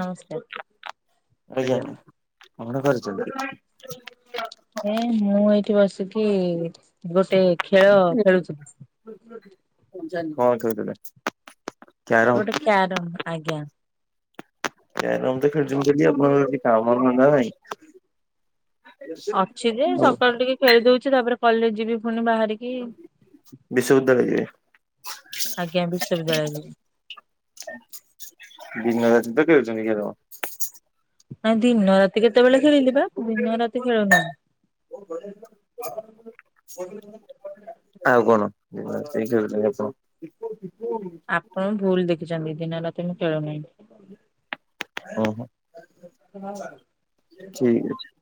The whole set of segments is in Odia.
ନମସ୍କାର। ଆଜ୍ଞା କମ୍ପ୍ୟୁଟର କରିଚନ୍ତି? ଏଁ ମୁଁ ଏଇଠି ବସିକି ଗୋଟେ ଖେଳ ଖେଳୁଚି। ମୁଁ ଜାଣିନି। କଣ କହିଥିଲା? ଗୋଟେ କ୍ୟାରମ୍ ଆଜ୍ଞା। କ୍ୟାରମ୍ ତ ଖେଳୁଚନ୍ତି ଡେଲି ଆପଣଙ୍କର କିଛି କାମ ଧନ୍ଦା ନାହିଁ। ଅଛି ଯେ ଆଉ ସକାଳୁ ଟିକେ ଖେଳିଦଉଚି ତାପରେ କଲେଜ ଯିବି ଫୁଣି ବାହାରିକି। ବିଶ୍ୱବିଦ୍ୟାଳୟ ଯିବେ। ଆଜ୍ଞା ବିଶ୍ୱବିଦ୍ୟାଳୟ କୁ ଯିବି। ଦିନରାତି ତ ଖେଳୁଚନ୍ତି ଖେଳ। ଆଁ ଦିନ ରାତି କେତେବେଳେ ଖେଳିଲି ବା ଦିନ ରାତି ଖେଳୁନି ମୁଁ। ଆଉ କଣ ସେଇ ଖେଳୁଚ କେତ [unintelligible] ଆପଣ ଭୁଲ ଦେଖିଚନ୍ତି ଦିନ ରାତି ମୁଁ ଖେଳୁନାହିଁ। ଉଁ ହୁଁ ଠିକ୍ ଅଛି।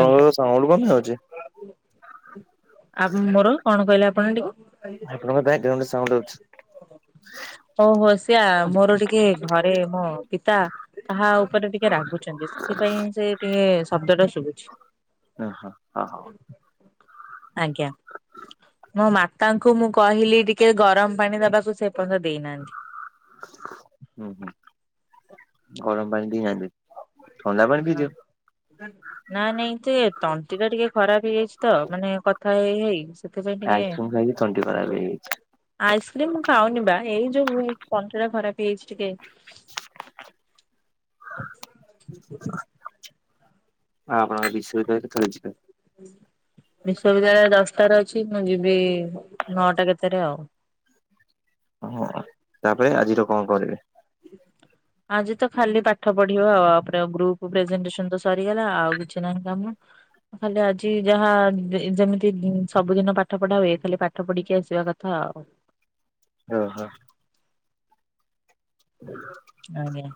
ଆଜ୍ଞା। ସାଉଣ୍ଡ୍ କଣ ପାଇଁ ହଉଚି? ଆମର କଣ କହିଲେ ଆପଣ ଟିକେ। ଆପଣଙ୍କ ବ୍ୟାକଗ୍ରାଉଣ୍ଡ ସାଉଣ୍ଡ ହଉଛି। ଓ ହୋ ସିଏ ଆମର ଟିକ୍ କିଏ ଘରେ ମୋ ପିତା କାହା ଉପରେ ଟିକେ ରାଗୁଚନ୍ତି। ସେଥିପାଇଁଁ ସେ ଟିକେ ଶବ୍ଦ ଟା ଶୁଭୁଛି। ଉଁ ହ ଅ ହ। ଆଜ୍ଞା। ମୋ ମାତାଙ୍କୁ ମୁଁ କହିଲି ଟିକେ ଗରମ ପାଣି ଦବାକୁ ସେ ଏ ପର୍ଯ୍ୟନ୍ତ ଦେଇନାହାନ୍ତି। ହୁଁ ହୁଁ ଗରମ ପାଣି ଦେଇନାହାନ୍ତି? ନା। ନା ନାଇଁ ସେ ତଣ୍ଟି ଟା ଟିକେ ଖରାପ ହେଇଯାଇଚି ତ ମାନେ କଥା ହେଇ ହେଇ। ସେଥିପାଇଁ ଟିକେ ଆଇସ୍କ୍ରିମ୍ ଖାଇକି ତଣ୍ଟି ଖରାପ ହେଇଯାଇଛି। ଆଇସ୍କ୍ରିମ୍ ମୁଁ ଖାଉନି ବା ଏଇ ଯୋଉ ତଣ୍ଟି ଟା ଖରାପ ହେଇଯାଇଚି ଟିକେ। ହଁ ଆପଣଙ୍କର ବିଶ୍ୱବିଦ୍ୟାଳୟ କେତବେଳେ ଯିବେ? ବିଶ୍ୱବିଦ୍ୟାଳୟ ଦଶଟାରେ ଅଛି। ମୁଁ ଯିବି ନଅଟା କେତେରେ ଆଉ। ଓହୋଁ ତାପରେ ଆଜିର କଣ କରିବେ? ଆଜି ତ ଖାଲି ପାଠ ପଢିବ ଆଉ ଆ ପରେ ଆଉ ଗ୍ରୁପ୍ ପ୍ରେଜେଣ୍ଟେସନ ତ ସରିଗଲା ଆଉ କିଛି ନାହିଁ କାମ। ଖାଲି ଆଜି ଯାହା ଯେମିତି ସବୁଦିନ ପାଠ ପଢା ହୁଏ ଖାଲି ପାଠ ପଢିକି ଆସିବା କଥା ଆଉ। ଓ ହୋ ହଁ ନାଇଁ ନାଇଁ।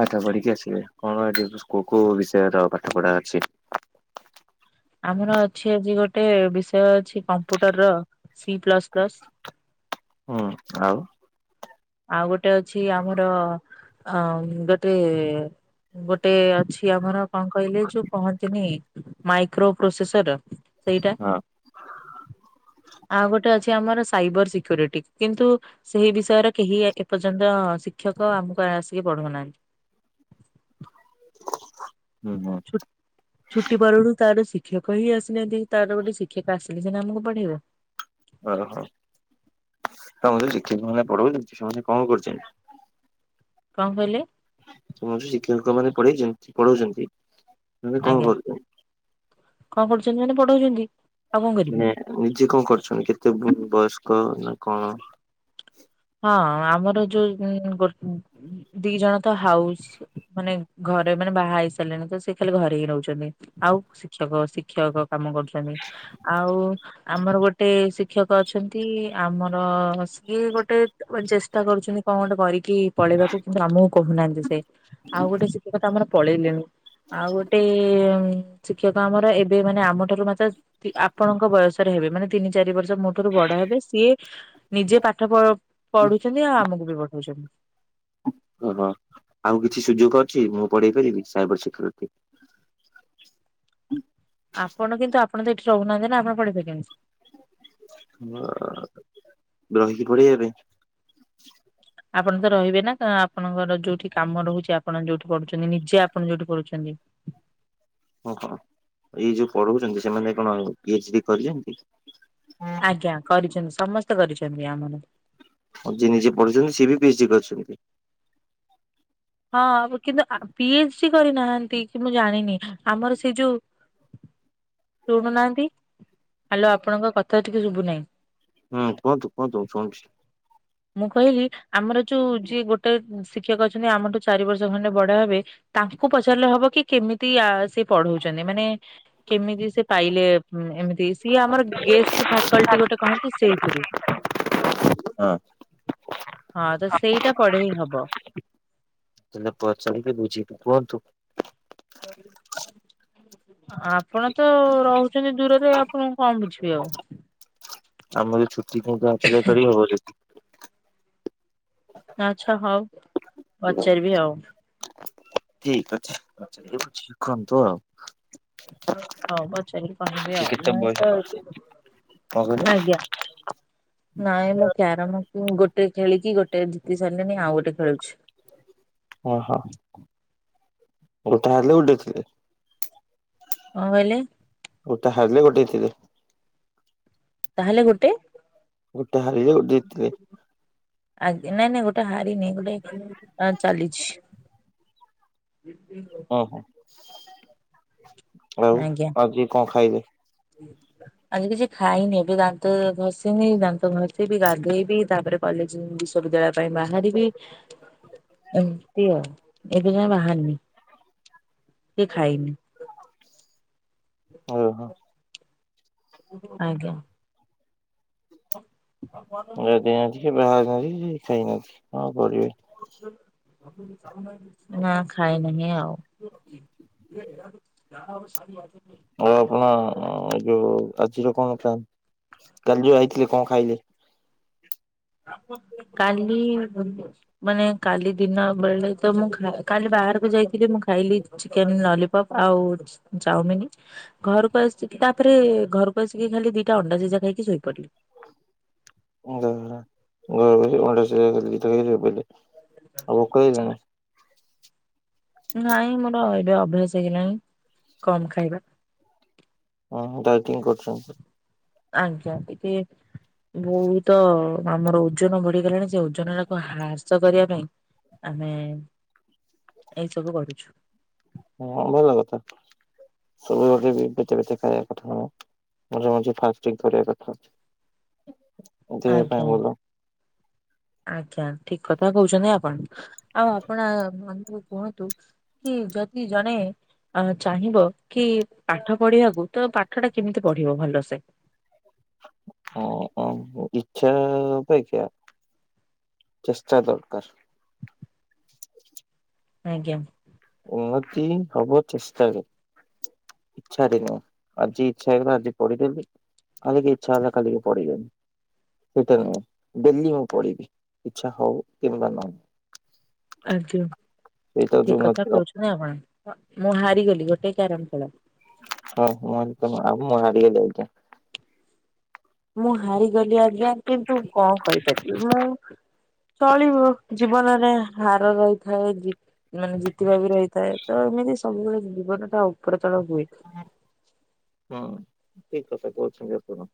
ପାଠ ପଢିକି ଆସିବେ କଣ ଏଠି ଯୋଉ କୋଉ କୋଉ ବିଷୟର ପାଠ ପଢା ଅଛି? ଆମର ଅଛି ଆଜି ଗୋଟେ ବିଷୟ ଅଛି କମ୍ପ୍ୟୁଟର ର ସି ପ୍ଲସ୍ ପ୍ଲସ୍। ହୁଁ ଆଉ ଆଉ ଗୋଟେ ଅଛି ଆମର ଅଁ ଗୋଟେ ଗୋଟେ ଅଛି ଆମର କଣ କହିଲେ ଯୋଉ କହନ୍ତିନି ମାଇକ୍ରୋ ପ୍ରୋସେସର। ସେଇଟା। ହଁ ଆଉ ଗୋଟେ ଅଛି ଆମର ସାଇବର ସିକ୍ୟୁରିଟି କିନ୍ତୁ ସେହି ବିଷୟରେ କେହି ଏ ଏପର୍ଯ୍ୟନ୍ତ ଶିକ୍ଷକ ଆମୁକୁ ଆସିକି ପଢଉନାହାନ୍ତି। ଓ ହୋ। ଛୁ ଛୁଟି ପରରୁ ତାର ଶିକ୍ଷକ ହିଁ ଆସିନାହାନ୍ତି ତାର ଗୋଟେ ଶିକ୍ଷକ ଆସିଲେ ସିନା ଆମକୁ ପଢେଇବ? ଓହୋ ତମ ଯୋଉ ଶିକ୍ଷକ ମାନେ ପଢଉଛନ୍ତି ସମସ୍ତେ କଣ କରିଛନ୍ତି? କଣ କହିଲେ? ତମକୁ ଶିକ୍ଷକ ମାନେ ପଢେଇଚନ୍ତି ପଢଉଚନ୍ତି? ଆଜ୍ଞା କଣ କରୁଚନ୍ତି ମାନେ ପଢଉଚନ୍ତି। ମାନେ ନିଜେ କଣ କରୁଚନ୍ତି କେତେ ବୟସ୍କ ନା କଣ? ହଁ ଆମର ଯୋଉ ଗୋ ଦି ଜଣ ତ ହାଉସ୍। ମାନେ ଘରେ ମାନେ ବାହା ହେଇସାରିଲେଣି ତ ସେ ଖାଲି ଘରେ ହିଁ ରହୁଚନ୍ତି। ଆଉ ଶିକ୍ଷକ ଶିକ୍ଷକ କାମ କରୁଚନ୍ତି। ଆଉ ଆମର ଗୋଟେ ଶିକ୍ଷକ ଅଛନ୍ତି ଆମର ସିଏ ଗୋଟ ଟେ ଚେଷ୍ଟା କରୁଚନ୍ତି କଣ ଗୋଟେ କରିକି ପଳେଇବାକୁ କିନ୍ତୁ ଆମକୁ କହୁନାହାନ୍ତି ସେ। ଆଉ ଗୋଟେ ଶିକ୍ଷକ ତ ଆମର ପଳେଇଲେଣି। ଆଉ ଗୋଟେ ଶିକ୍ଷକ ଆମର ଏବେ ମାନେ ଆମଠାରୁ ମାତ୍ର ଆପଣଙ୍କ ବୟସ। ର ହେବେ ମାନେ ତିନି ଚାରି ବର୍ଷ ମୋ ଠାରୁ ବଡ ହେବେ। ସିଏ ନିଜେ ପାଠ ପ ପଢୁଚନ୍ତି ଆଉ ଆମକୁ ବି ପଢଉଚନ୍ତି। ଓହୋ ଆଉ କିଛି ସୁଯୋଗ ଅଛି ମୁଁ ପଢେଇ ପାରିବି ସାଇବର ସିକ୍କ୍ୟୁରିଟି? ଆପଣ କିନ୍ତୁ ଆପଣ ତ ଏଠି ରହୁନାହାନ୍ତି ନା ଆପଣ ପଢେଇ ପାରିବେନି। ହଁ ରହିକି ପଢେଇ ବା ପାଇଁ? ଆପଣ ତ ରହିବେ ନା କ ଆପଣଙ୍କର ଯୋଉଠି କାମ ରହୁଚି ଆପଣ ଯୋଉଠି ପଢ଼ୁଚନ୍ତି ନିଜେ ଆପଣ ଯୋଉଠି ପଢୁଛନ୍ତି। ଓହୋ ଏଇ ଯୋଉ ପଢଉଚନ୍ତି ସେମାନେ କଣ ପି ଏଚ ଡି କରିଚନ୍ତି? ଆଜ୍ଞା କରିଚନ୍ତି ସମସ୍ତେ କରିଚନ୍ତି ଆମର। ହଉ ଯିଏ ନିଜେ ପଢିଚନ୍ତି ସିଏ ବି ପି ଏଚ୍ ଡି କରିଚନ୍ତି? ହଁ କିନ୍ତୁ ଆ ପି ଏଚ ଡି କରିନାହାନ୍ତି କି ମୁଁ ଜାଣିନି ଆମର ସେ ଯୋଉ ଶୁଣୁନାହାନ୍ତି ହାଲୋ ଆପଣଙ୍କ କଥା ଟିକେ ଶୁଭୁନାହିଁ। ହୁଁ କହନ୍ତୁ କୁହନ୍ତୁ ଶୁଣୁଚି। ମୁଁ କହିଲି ଆମର ଯୋଉ ଯିଏ ଗୋଟେ ଶିକ୍ଷକ ଅଛନ୍ତି ଆମଠୁ ଚାରି ବର୍ଷ ଖଣ୍ଡେ ବଡ ହେବେ ତାଙ୍କୁ ପଚାରିଲେ ହବ କି କେମିତି ଆ ସେ ପଢଉଚନ୍ତି ମାନେ କେମିତି ସେ ପାଇଲେ ଏ ଏମିତି ସିଏ ଆମର ଗେଷ୍ଟ ଫାକଲଟି ଗୋଟେ କହନ୍ତି ସେଇଥିରୁ ହଁ ହଁ ତ ସେଇଟା ପଢେଇ ହିଁ ହବ। ତାଲେ ପଚାରିକି ବୁଝିକି କୁହନ୍ତୁ। [inaudible] ଆ ଆପଣ ତ ରହୁଚନ୍ତି ଦୂରରେ। ଆପଣଙ୍କୁ କଣ ବୁଝିବେ ଆଉ? ଆମର ଛୁଟି ଫାଙ୍କା ଅଛି ଯାଇ କରି ହବ ସେଠି? ଆଚ୍ଛା ହଉ ପଚାରିବି ଆଉ? ଠିକ ଅଛି। ଆଛା ଇଏ ଶିଖନ୍ତୁ ଆଉ। ହଉ ପଚାରିକି କହିବି ସେ ଆଉ। କେତେ ମୁଁ ବୟସ ତ କଣ କହିଲେ? ଆଜ୍ଞା ନାଇ ମୁଁ କ୍ୟାରାମ ଉଁ ଗୋଟେ ଖେଳିକି ଗୋଟେ ଜିତି ସାରିଲିଣି, ଆଉ ଗୋଟେ ଖେଳୁଚି। ଅ ହଁ ଗୋଟେ ହାରିଲେ ଗୋଟେ ଜିତିଲେ? କଣ କହିଲେ? ଗୋଟା ହାରିଲେ ଗୋଟେ ଜିତିଲେ। ତାହେଲେ ଗୋଟେ ଗୋଟେ ହାରିଲେ ଗୋଟେ ଜିତିଲେ। ଆଜ୍ଞା ନାଇଁ ନାଇଁ ଗୋଟେ ହାରିନି ଗୋଟେ ଚାଲିଚି। [inaudible] ଓହୋ ଆଉ ଆଉ କିଏ କଣ ଖାଇଲେ? ହୁଁ। ଆଜି କିଛି ଖାଇନି ଏବେ ଦାନ୍ତ ଘଷିନି ଦାନ୍ତ ଘଷିବି ଗାଧୋଇବି ତାପରେ କଲେଜ ବିଶ୍ୱବିଦ୍ୟାଳୟ ପାଇଁ ବାହାରିବି। ଏମିତି ଆଉ ଏବେ ଯାଏ ବାହାରନି କି ଖାଇନି? ଓ ହୋ। ଆଜ୍ଞା। ହଁ ହଁ। ଦେଇନାହାନ୍ତି ସେ ବାହାରି ନାହାନ୍ତି ସେ ଖାଇନାହାନ୍ତି କଣ କରିବେ? ନା ଖାଇନାହିଁ ଆଉ ଯ ହ ସାର ବା ହଉ ଆପଣ ଏ ଯୋଉ ଆଜିର କଣ ପା କାଲି ଯୋଉ ଆଇଥିଲେ କଣ ଖାଇଲେ? କାଲି ମାନେ କାଲି ଦିନ ବେଳେ ତ ମୁଁ କାଲି ବାହାରକୁ ଯାଇଥିଲି ମୁଁ ଖାଇଲି। ଚିକେନ ଲଲିପପ୍ ଆଉ ଚାଉମିନ। ଘରକୁ ଆସିକି ତାପରେ ଘରକୁ ଆସିକି ଖାଲି ଦିଟା ଅଣ୍ଡା ସିଝା ଖାଇକି ଶୋଇପଡିଲି। [inaudible] ଆଉ ଭୋକ ହିଁ ନାଇଁ? ନାଇଁ ମୋର ଏବେ ଅଭ୍ୟାସ ହେଇଗଲାଣି କମ ଖାଇବା। ହଁ ଡାଇଟିଂ କରୁଛ? ଆଜ୍ଞା ଏ ବହୁତ ଆମର ଓଜନ ବଢିଗଲାଣି ସେ ଓଜନ ଟାକୁ ହ୍ରାସ କରିବା ପାଇଁ ଆମେ ଏଇ ସବୁ କରୁଛୁ। ହଁ ଭଲ କଥା। ସବୁ ବି ବେଳେ ବେଳେ ବି ଖାଇବା କଥା ନୁହେଁ ମଝିରେ ମଝିରେ ଫାଷ୍ଟିଂ କରିବା କଥା। ଦେହ ଆଜ୍ଞା ପାଇଁ ଭଲ। ଆଜ୍ଞା ଠିକ କଥା କହୁଛନ୍ତି ଆପଣ ଆଉ ଆପଣ ଆଗେ କୁହନ୍ତୁ? କି ଯଦି ଜଣେ ଅ ଚାହିଁବ କି ପାଠ ପଢିବାକୁ ତ ପାଠ ଟା କେମିତି ପଢିବ ଭଲସେ? ହଁ ହଁପରୀକ୍ଷା ଦେଖିବା ଚେଷ୍ଟା ଦରକାର। ଆଜ୍ଞା। ଉନ୍ନତି ହବ, ଚେଷ୍ଟା କଲେ। ଇଚ୍ଛାରେ ନୁହଁ, ଆଜି ଇଚ୍ଛା ହେଇଗଲା ଆଜି ପଢିଦେଲି କାଲିକି ଇଚ୍ଛା ହେଲା କାଲିକି ପଢ଼ିବିନି। ସେଇଟା ନୁହେଁ, ଡେଲି ହଉ ପଢ଼ିବେ ଇଚ୍ଛା ହଉ କିମ୍ବା ନ ହଉ। ଆଜ୍ଞା। ସେଇଟା ହଉଛି ଠିକ କଥା ଉନ୍ନତିର କହୁଛନ୍ତି ଆପଣ। ମୁଁ ମୁଁ ହାରିଗଲି ଗୋଟେ କ୍ୟାରମ୍ ଖେଳ ହଁ ମୁଁ ଭାବିଲି ତମେ ଆଉ ମୁଁ ହାରିଗଲି ଅବିକା। ମୁଁ ହାରିଗଲି ଆଜ୍ଞା। କିନ୍ତୁ କଣ କରିପାରିବି ମୁଁ ଚଳିବ ଜୀବନରେ ହାର ରହିଥାଏ, ଜିତ୍ ମାନେ ଜିତିବା ବି ରହିଥାଏ ତ ଏମିତି ସବୁବେଳେ ଜୀବନଟା ଉପର ତଳ ହୁଏ। ହଁ ଠିକ କଥା କହୁଛନ୍ତି ଆପଣ।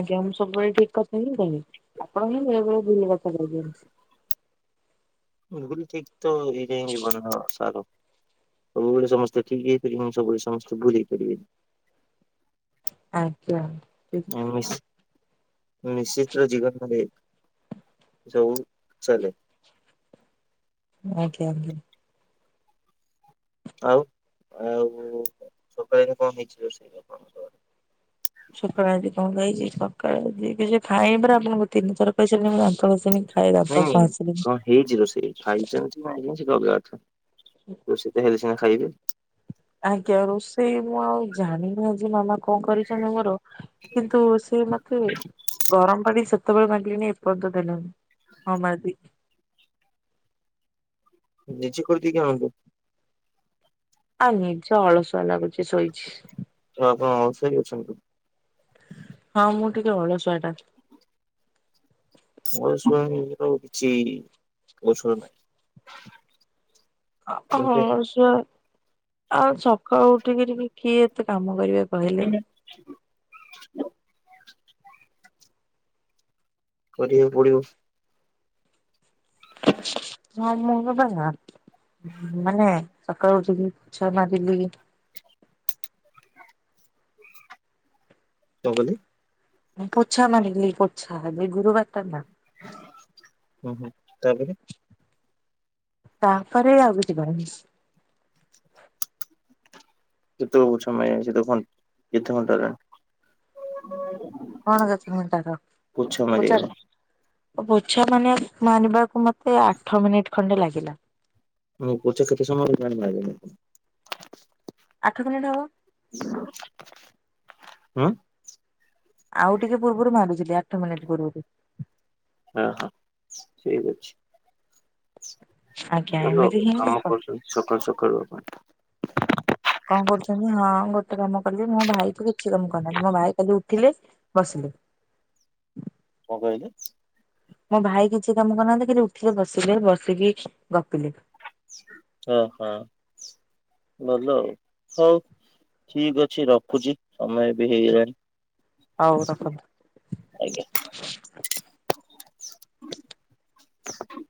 ଆଜ୍ଞା। ମୁଁ ସବୁବେଳେ ଠିକ୍ କଥା କହିନଥିଲି, ଆପଣ ହିଁ ବେଳେବେଳେ ଭୁଲ କଥା କହିଦିଅନ୍ତି। ଭୁଲ୍ ଠିକ୍ ତ ହେଇଯାଏ ଜୀବନର ସାର। ସବୁବେଳେ ସମସ୍ତେ ଠିକ୍ ହେଇପାରିବେନି ସବୁବେଳେ ସମସ୍ତେ ଭୁଲ୍ ହେଇପାରିବେନି। ଆଜ୍ଞା। ନିଶ୍ ନିଶିତ୍ ରେ ଜୀବନ କୁଣ୍ଡେ ଯୋଉ ଚାଲେ ଆଜ୍ଞା ଆଜ୍ଞା। ଆଉ, ଆଉ ସକାଳେ କଣ ହେଇଚି ରୋଷେଇ ଆପଣଙ୍କର? ସକାଳେ ଆଜି କଣ ଖାଇଚି, ସକାଳେ ଆଜି କିଛି ଖାଇନି ପରା ଆପଣଙ୍କୁ ତିନିଥର କହିସାରିଲିଣି ମୁଁ ଦାନ୍ତଘଷିନି। ହୁଁ, କଣ ହେଇଛି ରୋଷେଇ ଖାଇଚ? [unintelligible] ରୋଷେଇ ତ ହେଲେ ସିନା ଖାଇବେ। ଆଜ୍ଞା, ରୋଷେଇ ମୁଁ ଆଉ ଜାଣିନି ଆଜି ମାମା କଣ କରିଚନ୍ତି ମୋର। କିନ୍ତୁ ସେ ମତେ ଗରମ ପାଣି ସେତେବେଳେ ମାଗିଲିଣିି ଏପନ୍ତ ଦେଲେନି। ହଁ ବା ଦେ ନିଜେ କରିକି ଏକା ଆଣବ। ଆଉ ନିଜ ଅଳସୁଆ ଲାଗୁଚି ଶୋଇଛି। ତ ଆପଣ ଅଳସୁଆ ବି ଅଛନ୍ତି। ହଁ, ମୁଁ ଟିକେ ଅଳସୁଆଟା। ଅଳସୁଆମି ର କିଛି ଔଷଧ ନାହିଁ। ଅ ହଁ କିନ୍ତୁ ମୁଁ ଅଳସୁଆ ଆଉ ସକାଳୁ ଉଠିକିରି କିଏ ଏତେ କାମ କରିବେ। କହିଲେ? କେମିତି ଜାଣ କରିବାକୁ ପଡିବ। ହଁ, ମୋର ବା ନାଁ ମାନେ ସକାଳୁ ଉଠିଲି ପୋଛା ମାରିଲି। ତ ଗଲେଣି। ମୁଁ ପୋଛା ମାରିଲି ପୋଛା ଆଜି ଗୁରୁବାରଟା ନା। ହୁଁ- ହୁଁ - ତାପରେ ତାପରେ ଆଉ ଏ ବାଉନ୍ସ୍ କେତେ ଉଛନ ହେଇଯାଉଚି ଦେଖନ୍ ସମ କେତେ ଘଣ୍ଟା ହେଲାଣି? କଣ କେତେ ଘଣ୍ଟା ର ପୋଛା ପୋଛାର? ମାରିବାକୁ? ପୋଛା ମାନେ ଆଜି ମାନିବା ମତେ ଆଠ ମିନିଟ୍ ଖଣ୍ଡେ ଲାଗିଲା। ମୁଁ ପୋଛା କେତେ ସମୟ ଦେଇଥିଲି ଆଣିକି ମାରିବା ପାଇଁ ଆଠ ମିନିଟ୍ ହବ। [unintelligible] ଉଁ। ଆଉ ଟିକେ ପୂର୍ବରୁ ମାଗୁଥିଲି, ଆଠ ମିନିଟ୍ ପୂର୍ବରୁ। ଆହା ଠିକ୍ ଅଛି। ଆଜ୍ଞା କଣ ନ ଏମିତି ହିଁ ମୁଁ କାମ୍ କରୁଛନ୍ତି ସକାଳୁ ସକାଳୁ ପାଇଁ। କଣ କରୁଛନ୍ତି। ହଁ ଗୋଟେ କାମ କଲି ମୋ ଭାଇକୁ ବି କିଛି କାମ କରିନାହାନ୍ତି ମୋ ଭାଇ କାଲି ଉଠିଲେ ବସିଲେ। କଁ କହିଲେ? ମୋ ଭାଇ କିଛି କାମ କରୁନାହାନ୍ତି ଖାଲି ଉଠିଲେ ବସିଲେ ବସିକି ଗପିଲେ। ଅ ହଁ ଭଲ ଆଉ ହଉ। ଠିକ୍ ଅଛି ରଖୁଚି। ସମୟ ବି ହେଇଗଲାଣି। ହଉ ରଖନ୍ତୁ। ଆଜ୍ଞା।